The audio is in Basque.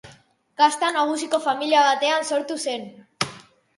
Kasta nagusiko familia batean sortu zen.